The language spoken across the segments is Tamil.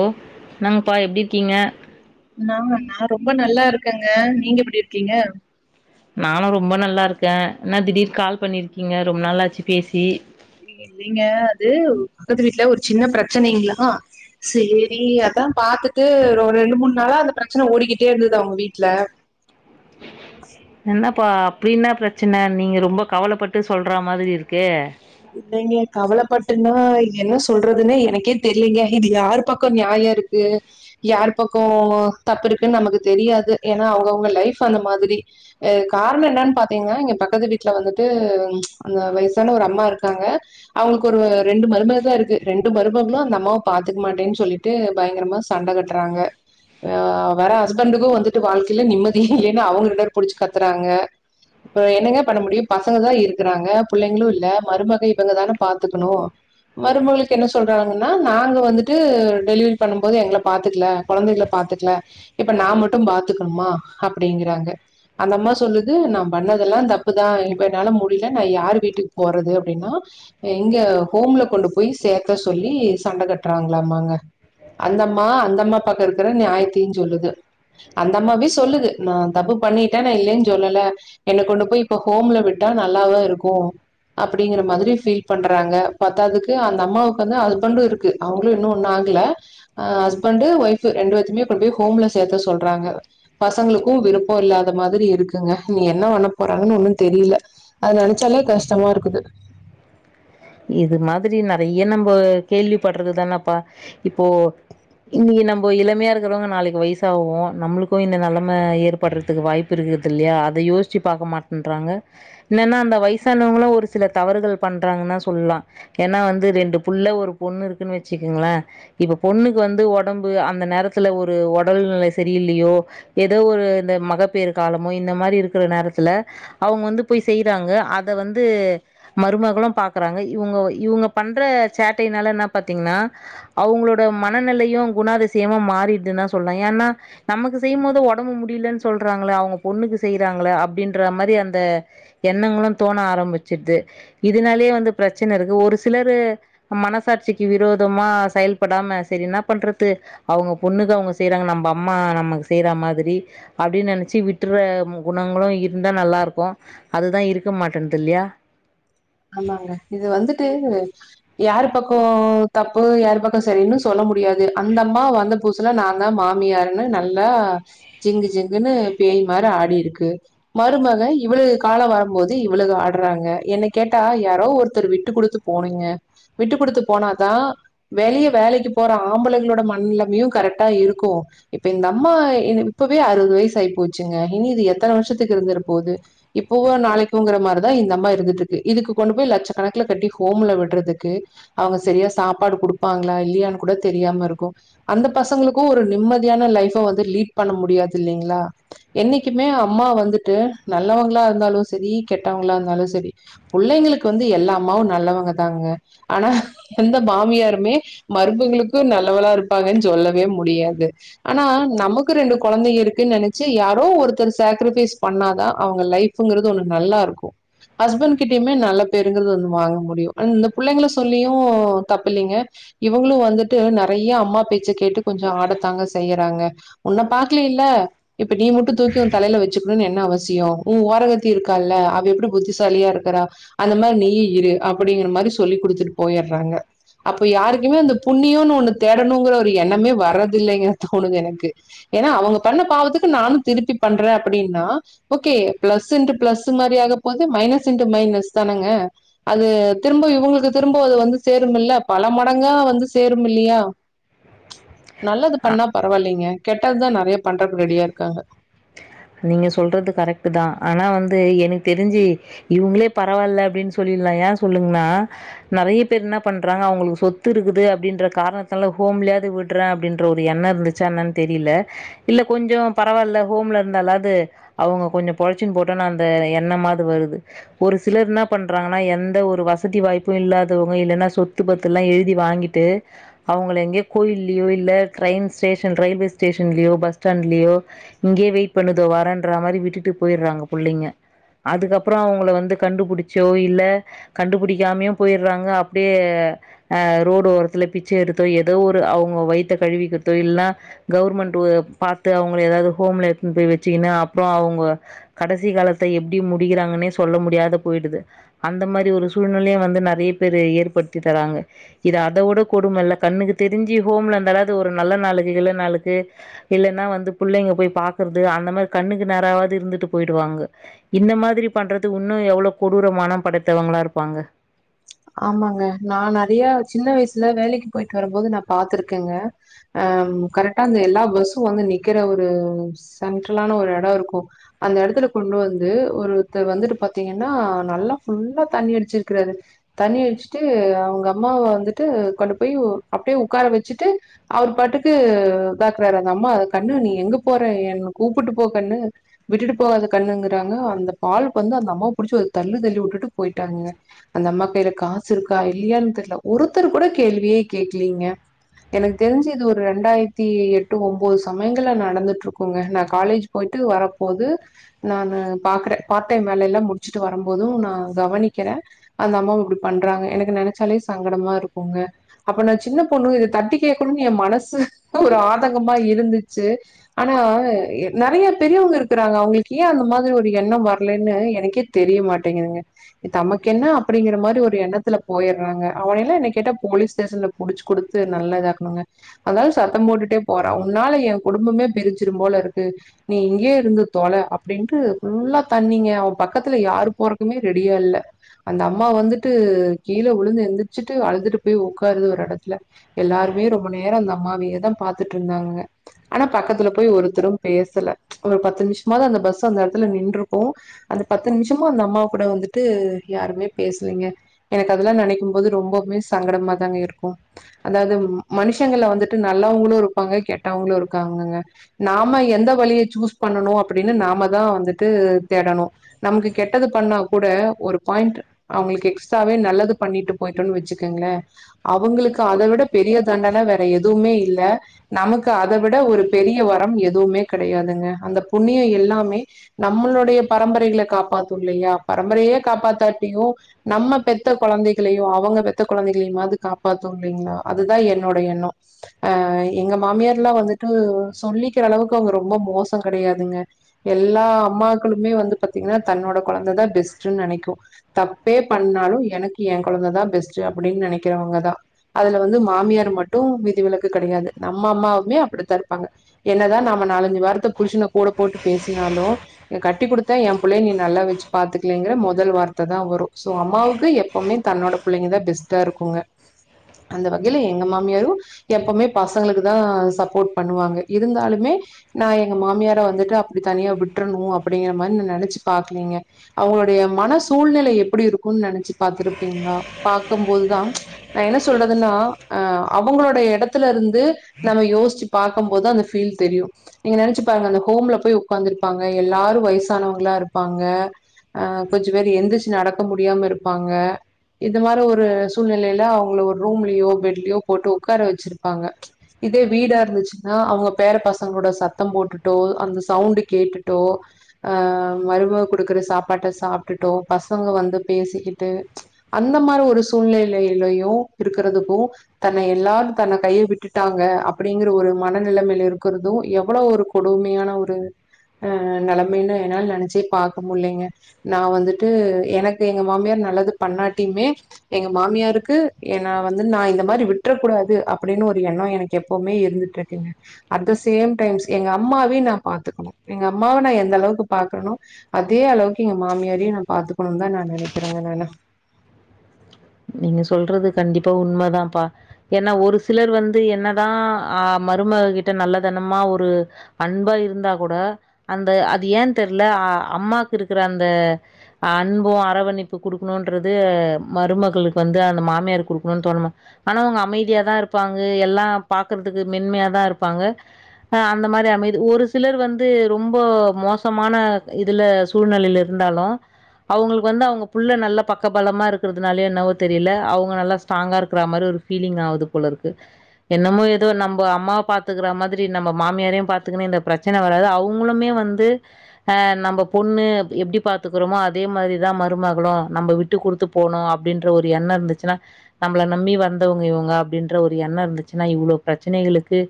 ஓ என்னாங்ப்பா எப்படி இருக்கீங்க ஆ நா ரொம்ப நல்லா இருக்கேங்க நீங்க எப்படி இருக்கீங்க நானு ரொம்ப நல்லா இருக்கே என்னா திடீர் கால் பண்ணிருக்கீங்க ரொம்ப நாளாச்சு பேசி இல்லைங்க அது பக்கத்து வீட்டுல ஒரு சின்ன பிரச்சனைங்களா சேரி அதா பாத்துட்டு ஒரு ரெண்டு மூணு நாளா அந்த பிரச்சன ஓடிக்கிட்டே இருந்தது அவங்க வீட்டல என்னப்பா அப்டி என்னா பிரச்சன நீங்க ரொம்ப கவலப்பட்டு சொல்ற மாதிரி இருக்கே இல்லைங்க கவலப்பட் என்ன என்ன சொல்றதுன்னே எனக்கே தெரியலீங்க இது யாரு பக்கம் நியாயோ இருக்கு யாரு பக்கம் தப்பு இருக்குன் நமக்கு தெரியாது ஏன்னா அவங்கவுங்க லைஃப் அந்த மாதிரி அ காரணம் என்னன்னு பாத்தீங்கன்னா எங்க பக்கத்து வீட்டுல வந்துட்டு அந்த வயசான ஒரு அம்மா இருக் காங்க அவங்களுக்கு ஒரு ரெண்டு மருமக தா இருக்கு ரெண்டு மருமகளும் அந்த அம்மாவ பாத்துக்க மாட்டேன் சொல்லிட்டு பயங்கரமா சண்ட கட்டுறாங்க வேற ஹஸ்பண்டக்கு வந்துட்டு வாழ்க்கையில நிம்மதியே இல்லன்னு அவங்க ரெண்டு பேரு புடிச்சு கத்துறாங்க என்னங்க பண்ண முடியும் பசங்கதா இருக்கறாங்க புள்ளைங்களு இல்ல மரும இவங்கதானே பாத்துக்கணு மருமகளுக்கு என்ன சொல்றாங்கன்னா நாங்க வந்துட்டு டெலிவரி பண்ணும் போது எங்கள பாத்துக்கல கொழந்தைகள பாத்துக்கல இப்ப நா மட்டும் பாத்துக்கணுமா அப்படிங்கறாங்க அந்த அம்மா சொல்லுது நா பண்ணதெல்லா தப்புதா இப்ப என்னால முடியல நா யாரு வீட்டுக்கு போறது அப்படினா இங்க ஹோம்ல கொண்டு போய் சேக்க சொல்லி சண்டை கட்டுறாங்களாமாங்க அந்த அம்மா அந்த அம்மா பக்க இருக்கிற நியாயத்தியு சொல்லுது அந்த அம்மாவே சொல்லுது நா தப்பு பண்ணிட்டே நா இல்லைன்னு சொல்லல என்ன கொண்டு போய் இப்ப ஹோம்ல விட்டா நல்லாவா இருக்கு அப் ப்படிங்கிற மாதிரி ஃபீல் பண்றாங்க பத்தாதுக்கு அந்த அம்மாவுக்கு வந்து ஹஸ்பண்டு இருக்கு அவங்களு இன்னு ஒன்னு ஆகல ஹஸ்பண்ட்டு ஒய்ஃப் ரெண்டு பேத்தையுமே கொண்டு போய் ஹோம்ல சேத்த சொல்றாங்க பசங்களுக்கு விருப்பம் இல்லாத மாதிரி இருக்குங்க இனி என்ன பண்ண போறாங்கன்னு ஒன்னு தெரியல அது நெனைச்சாலே கஷ்டமா இருக்குது இது மாதிரி நெறைய நம்போ கேள்வி படுறதுதானேப்பா இப்போ இன்னைக்கு நம்ம இளமையா இருக்கிறவங்க நாளைக்கு வயசாவோம் நம்மளுக்கு இந்த நெலம ஏற்படுறதுக்கு வாய்ப்பு இருக்குது இல்லையா அத யோசிச்சு பாக்க மாட்டன்றாங்க என்னன்னா அந்த வயசானவங்களு ஒரு சில தவறுகள் பண்றாங்கன்னா சொல்லா ஏன்னா வந்து ரெண்டு புள்ள ஒரு பொண்ணு இருக்குன்னு வச்சுக்கங்களே இப்ப பொண்ணுக்கு வந்து ஒடம்பு அந்த நேரத்துல ஒரு ஒடல் நிலை சரியில்லையோ ஏதோ ஒரு இந்த மகப்பேறு காலமோ இந்த மாரி இருக்கிற நேரத்துல அவங்க வந்து போய் செய்றாங்க அத வந்து மருமகளும் பாக் கறாங்க இவங்க பண்ற சேட்டையினால என்ன பாத்தீங்கன்னா அவங்களோட மனநிலையு குணாதிசயமா மாறிடுதுன்ன சொல்றே ஏன்னா நமக்கு செய்யும் போது ஒடம்பு முடியலன்னு சொல்றாங்கள அவங்க பொண்ணுக்கு செய்யறாங்கள அப்படின்ற மாரி அந்த எண்ணங்களு தோண ஆரம்பிச்சடுது இதனாலயே வந்து பிரச்சன இருக்கு ஒரு சிலரு மனசாட்சிக்கு விரோதமா செயல்படாம சரி என்னா பண்றது அவங்க பொண்ணுக்கு அவங்க செய்யறாங்க நம்ம அம்மா நமக்கு செய்ற மாதிரி அப்படின் நெனச்சு விட்டுற குணங்களு இருந்தா நல்லா இருக்கு அதுதா இருக்க மாட்டேன்னுது இல்லையா ஆமாங்க இது வந்துட்டு யாரு பக்கோ தப்பு யாரு பக்கோ சரின்னு சொல்ல முடியா து அந்த அம்மா வந்து புதுசுல நா தா மாமியார்ன்னு நல்லா ஜிங்கு ஜிங்குன்னு பேய் மாரி ஆடிருக்கு மருமக இவ்வளுக கால வரும்போது இவ்வளுக ஆடுறாங்க எனக் கேட்டா யாரோ ஒருத்தர் விட்டு கொடுத்து போனுங்க விட்டு கொடுத்து போனாதா வெளிய வேலைக்கு போற ஆம்பலங்களோட மனனிலமையும் கரெக்டா இருக்கு இப்ப இந்த அம்மா இப்பவே அறுபது வயசு ஆயி போச்சுங்க இனி இது எத்தன வருஷத்துக்கு இருந்துர போகுது இப்பவோ நாளைக்கோங்கிற மாரி தா இந்தமா இருந்துட்ருக் கு இதுக்கு கொண்டு போய் லட்ச கணக்குல கட்டி ஹோம்ல விடுறதுக்கு அவங்க சரியா சாப்பாடு குடுப்பாங்களா இல்லையான் கூட தெரியாம இருக்கும் அந்த பசங்களுக்கு ஒரு நிம்மதியான லைஃப் வந்து லீட் பண்ண முடியாது இல்லைங்களா என்னைக்குமே அம்மா வந்துட்டு நல்லவங்களா இருந்தாலு சரி கெட்டவங்களா இருந்தாலு சரி புள்ளைங்களுக்கு வந்து எல்லா அம்மாவு நல்லவங்கதாங்க ஆனா எந்த மாமியாருமே மருமகளுக்கு நல்லவளா இருப்பாங்கன்னு சொல்லவே முடியாது ஆனா நமக்கு ரெண்டு கொழந்தைங்க இருக்குன்னு நெனச்சு யாரோ ஒருத்தர் சேக்கரிபைஸ் பண்ணாதா அவங்க லைஃப்ங்கிறது ஒண்ணு நல்லா இருக்கு ஹஸ்பண்ட் கிட்டயுமே நல்ல பேருங்கிறது வந்து வாங்க முடியு இந்த புள்ளைங்கள சொல்லியும் தப்புலிங்க இவங்களு வந்துட்டு நெறைய அம்மா பேச்சை கேட்டு கொஞ்சம் ஆடத்தாங்க செய்யறாங்க உன்ன பாக்கலேல்ல இப்ப நீ மட்டும் தூக்கி உன் தலையில வச்சு னுன் என்ன அவசியம் உன் ஓரகத்தி இருக்கால்ல அவ எப்படி புத்திசாலியா இருக் க்றா அந்தமாரி நீயு இரு அப்படிங்கிற மாரி சொல்லி கொடுத்துட்டு போயறாங்க அப்ப யாருக்குமே அந்த புண்ணியனு ஒண்ணு தேடணுங்கற ஒரு எண்ணமே வரது இல்லைங்க தோணுது எனக்கு ஏன்னா அவங்க பண்ண பாவத்துக்கு நானு திருப்பி பண்றே அப்படின்னா ஓகே ப்ளஸ் இன்டு ப்ளஸ் மாரி ஆக போது மைனஸ் இன்ட்டு மைனஸ் தானங்க அது திரும்ப இவுங்களுக்கு திரும்ப அது வந்து சேருமல்ல பல மடங்கா வந்து சேரும் இல்லையா நல்லது பண்ணா பரவால்லைங்க கெட்டதுதா நெறையா பண்றக்கு ரெடியா இருக்காங்க நீங்க சொல்றது கரெக்ட்டுதா ஆனா வந்து என்க்கு தெரிஞ்சு இவுங்களே பரவால்ல அப்டின்னு சொல்லிர்லா ஏ சொல்லுங்னா நெறைய பேர் என்ன பண்றாங்க அவங்களுக்கு சொத்து இருக்குது அப்டின்ற காரணத்தால ஹோம்லையாது விடறே அப்டின்ற ஒரு எண்ண இருந்துச்சா என்னன் தெரில இல்ல கொஞ்ச பரவால்ல ஹோம்ல இருந்தாலாது அவுங்க கொஞ்ச பொழச்சின் போட்டுன் அந்த எண்ணமாது வருது ஒரு சிலர் இன்னா பண்றாங்னா எந்த ஒரு வசதி வாய்ப்பு இல்லாதவங்க இல்லன்னா சொத்து பத்துல்லா எழுதி வாங்கிட்டு அவங்கள எங்கயோ கோயில்லயோ இல்ல டிரெயின் ஸ்டேஷன் ரயில்வே ஸ்டேஷன்லியோ பஸ் ஸ்டாண்ட்லியோ இங்கயே வெய்ட் பண்ணு இதோ வரன்ற மாரி விட்டுட்டு போயிர்றாங்க புள்ளைங்க அதுக்கப்பற அவங்கள வந்து கண்டுபுடிச்சோ இல்ல கண்டுபிடிக்காமயு போயிர்றாங்க அப்டியே அ ரோடு ஓரத்துல பிச்சை எடுத்தோ எதோ ஒரு அவங்க வயித்த கழுவிக்கிறதோ இல்னா கவர்மெண்ட்டு பாத்து அவங்கள எதாவுது ஹோம்ல கொண்டு போய் வெச்சுகினு அப்ற அவங்க கடைசி காலத்த எப்டி முடிகிறாங்கனே சொல்ல முடியாத போயிடுது அந்த மாரி ஒரு சூழ்நிலையு வந்து நெறைய பேரு ஏற்படுத்தி தராங்க இது அத விட கொடுமல்ல கண்ணுக்கு தெரிஞ்சு ஹோம்ல இருந்தாலாவுது ஒரு நல்ல நாளுக்கு கில்ல நாளுக்கு இல்லனா வந்து பிள்ளைங்க போய் பா க்கறது அந்த மாரி கண்ணுக்கு நேராவாது இருந்துட்டு போயிடுவாங்க இந்த மாதிரி பண்றது உன்னு எவ்ளோ கொடூர மன படைத்தவங்களா இருப்பாங்க ஆமாங்க நா நறையா சின்ன வயசுல வேலைக்கு போயிட்டு வரும்போது நா பாத்துருக்கங்க அ கரெட்டா அந்த எல்லா பஸ்ஸு வந்து நிக்கற ஒரு சென்ட்ரலான ஒரு எட இருக்கு அந்த எடத்துல கொண்டு வந்து ஒருத்தர் வந்துட்டு பாத்திங்கனா நல்லா ஃபுல்லா தண்ணி அடிச்சிருக்றாரு தண்ணி அடிச்சிட்டு அவங்க அம்மாவ வந்துட்டு கொண்டு போய் அப்டியே உக்கார வெச்சுட்டு அவர் பாட்டுக்கு பாக்றாரு அந்த அம்மா கண்ணு நீ எங்க போற என்ன கூப்புட்டு போ கண்ணு விட்டுட்டு போகாத கண்ணுங்கிறாங்க அந்த ஆளுக் வந்து அந்த அம்மாவ புடிச்சி ஒரு தள்ளு தள்ளி வுட்டுட்டு போயிட்டாங்க அந்த அம்மாக் வேற காசு இருக்கா இல்லியானு தெர்ல ஒருத்தர் கூட கேள்வியே கேக்லிங்க எனக்கு தெரிஞ்சு இது ஒரு ரண்டாயிரத்தி எட்டு ஒம்போது சமயங்கள்ல நடந்துட்ருக்குங்க நா காலேஜ் போயிட்டு வரப்போது நானு பாக்கற பார்ட் டைம் வேலைலா முடிச்சுட்டு வரம்போது நா கவனிக்கற அந்த அம்மாவ இப்டி பண்றாங்க எனக்கு நெனச்சாலே சங்கடமா இருக்குங்க அப்ப நா சின்ன பொண்ணு இத தட்டி கேக்கணுனு எ மனசு ஒரு ஆதங்கமா இருந்துச்சு ஆனா நெறையா பெரியவங்க இருக்கிறாங்க அவங்களுக்கு ஏ அந்த மாரி ஒரு எண்ணம் வரலைன்னு எனக்கே தெரிய மாட்டேங்குதுங்க இது நமக்கு என்ன அப்டிங்ற மாரி ஒரு எண்ணத்துல போயர்றாங்க அவனைலா என்னய கேட்டா போலீஸ் ஸ்டேஷன்ல புடிச்சு குடுத்து நல்லா இதாக்கனுங்க அந்தாளு சத்தம் போட்டுட்டே போறா உன்னால எங் குடும்பமே பிரிச்சுறும் போலருக்கு நீ இங்கயே இருந்து தொல அப்டின்ட்டு ஃபுல்லா தண்ணிங்க அவ பக்கத்துல யாரு போறக்குமே ரெடியா இல்ல அந்த அம்மா வந்து ட்டு கீழ வுழுந்து எந்திரிச்சுட்டு அழுதுட்டு போய் உக்காருது ஒரு எடத்துல எல்லாருமே ரொம்ப நேர அந்த அம்மாவயேதா பாத்துட்ருந்தாங்க ஆனா பக்கத்துல போய் ஒருத்தரு பேசல ஒரு பத்து நிம்ஷமாவது அந்த பஸ் அந்த எடத்துல நின்றுக்கு அந்த பத்து நிமிஷமு அந்த அம்மா கூட வந்துட்டு யாருமே பேசலிங்க எனக்கு அதெலா நெனைக்கும் போது ரொம்பவுமே சங்கடமா தாங்க இருக்கு அதாது மனுஷங்கள்ல வந்துட்டு நல்லவங்களு இருப்பாங்க கெட்டவங்களு இருக்காங்கங்க நாம எந்த வழிய சூஸ் பண்ணணு அப்டின்னு நாமதா வந்துட்டு தேடணு நம்ளுக்கு கெட்டது பண்ணா கூட ஒரு பாயிண்ட் அவங்ளுக்கு எக்ஸ் ட்ராவே நல்லது பண்ணிட்டு போயிட்டோன்னு வெச்சுக்குங்ளே அவங்ளுக்கு அதவிட பெரிய தண்டன வேற எதுவுமே இல்ல நமக்கு அத விட ஒரு பெரிய வரம் எதுவுமே கெடயாதுங்க அந்த புண்ணிய எல்லாமே நம்மளோடைய பரம்பரைகள காப்பாத்து இல்லையா பரம்பரையே காப்பாத்தாட்டியு நம்ம பெத்த கொழந்தைகளையு அவங்க பெத்த கொழந்தைகளையுமாவது காப்பாத்து இல்லைங்ளா அதுதா என்னோட எண்ண அ எங்க மாமியார்லா வந்துட்டு சொல்லிக்கிறளவுக்கு அவங்க ரொம்ப மோச கெடையாதுங்க எல்லா அம்மாக்களுமே வந்து பாத்திங்கனா தன்னோட கொழந்ததா பெஸ்ட்டுன் நெனைக்கு தப் பே பண்ணாலு எனக்கு எ கொழந்ததா பெஸ்ட்டு அப்டின் நெனைக்கறவங்கதா அதுல வந்து மாமியார் மட்டு விதிவிலக்கு கெடையாது நம்ம அம்மாவுமே அப்படித்தா இருப்பாங்க என்னதா நாம நாலஞ்சு வார்த்த புருஷன கூட போட்டு பேசுனாலு எ கட்டி குடுத்தா எம் பிள்ளைய நீ நல்லா வெச்சு பாத்துக்லிங்கிற மொதல் வார்த்ததா வரு சோ அம்மாவுக்கு எப்போமே தன்னோட பிள்ளைங்கதா பெஸ்ட்டாருக்குங்க அந்த வகைல எங்க மாமியாரு எப்பமே பசங்ளுக்குதா சப்போர்ட் பண்ணுவாங்க இருந்தாலுமே நா எங்க மாமியார வந்துட்டு அப்டி தனியா விட்றணு அப்டிங்கிற மாரி நா நெனச்சு பாக்லிங்க அவங்களுடைய மன சூழ்நிலைய எப்புடி இருக்குனு நெனச்சு பாத்துருப்பிங்ளா பாக்கும்போதுதா நா என்ன சொல்றதுன்னா ஆ அவங்களுடய எடத்துலருந்து நம்ம யோசிச்சு பாக்கும்போதா அந்த ஃபீல் தெரியு நீங்க நெனச்சு பாருங்க அந்த ஹோம்ல போய் உக்காந்துருப்பாங்க எல்லாரு வயசானவங்களா இருப்பாங்க ஆ கொஞ்ச பேர் எந்திரிச்சு நட நடக்க முடியாம இருப்பாங்க இந்த மாரி ஒரு சூழ்நிலைல அவங்கள ஒரு ரூம்லியோ பெட்லியோ போட்டு உக்கார வெச்சிருப்பாங்க இதே வீடா இருந்துச்சுனா அவங்க பேர பசங்களோட சத்தம் போட்டுட்டோ அந்த சவுண்டு கேட்டுட்டோ அ மருமக குடுக்கற சாப்பாட்ட சாப்ட்டுட்டோ பசங்க வந் து பேசிக்கிட்டு அந்த மாரி ஒரு சூழ்நிலையிலையு இருக்கிறதுக்கு தன்ன எல்லாரு தன்ன கை விட்டுட்டாங்க அப்டிங்கற ஒரு மனநிலைமைல இருக்கறது எவ்ளோ ஒரு கொடுமையான ஒரு அ நெலமைனு என்னால நெனைச்சே பாக்க முல்லிங்க நா வந்துட்டு எனக் எங்க மாம்யார் நல்லது பண்ணாட் டிமே எங்க மாம்யார் றக்கு நா வந்து நா இந்த மாரி விட்றக்கூடாது அப்டின்னு ஒரு எண்ணம் எனக்கு எப்போமே இருந்துட்டுருக்குங்க அட் த சேம் டைம் எங்க அம்மாவயும் நா பாத்துக்கணு எங்க அம்மாவ நா எந்தளவுக்கு பாக்றனோ அதே அளவுக்கு எங்க மாமியாரயும் நா பாத்துக்கணுன்தா நா நெனக்கிறங்க நானு நீங்க சொல்றது கண்டிப்பா உண்மதாப்பா ஏன்னா ஒரு சிலர் வந்து என்னதா அ மருமக கிட்ட நல்லதனமா ஒரு அன்பா இருந்தா கூட அந்த அது ஏன் தெர்ல அம்மாக்கு இருக்கிற அந்த அன்பும் அரவணைப்பு குடுக்கணுன்றது மருமக மறுமகள்க்கு அந்த மாமியார் குடுக்ணுனு தோன மா ஆனா அவங்க அமைதியாதாருப்பாங்க எல்லா பாக்றதுக்கு மென்மையாதா இருப்பாங்க அந்த மாரி அமைதி ஒரு சிலர் வந்து ரொம்ப மோசமான இதுல சூழ்நிலைல இருந்தாலு அவங்ளுக்கு வந்து அவுங்க நல்ல பக்கபலமா இருக்கிறதுனாலையோ என்னவோ தெரில அவுங்க நல்லா ஸ்ட்ராங்கா இருக்ரா மாரி ஒரு ப்பீலிங்காவுது போலருக்கு என்னமோ ஏதோ நம்ப அம்மாவ பாத்துக்கர மாதுரி நம்ப மாமியாரையு பாத்துகுனு ப்ரச்சன வராது அவங்ளுமே வந்து நம்ப பொண்ணு எப்டி பாத்துக்றமோ அதே மாரிதா மருமகலு நம்ம விட்டு குடுத்து போணு அப்டின்ற ஒரு எண்ண இருந்துச்சுனா நம்மள நம்பி வந்தவங்க இவங்க அப்டின்ற ஒரு எண்ண இர்ந்துச்சுனா இவ்ளோ ப்ரச்சனைகளுக்கு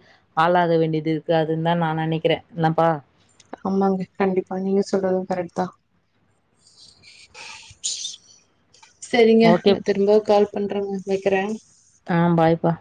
ஆளாக வேண்டியதுருக்காதுனுதா நா நெனைக்கிற என்னப்பா ஆமாங்க கண்டிப்பா நீங்க சொல்றது கரெட்தா செரிங்க ஓகே. நா திரும்போ கால் பண்றங்க வக்கிற அ பாய்ப்பா